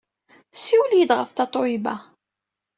Ssiwel-iyi-d ɣef Tatoeba.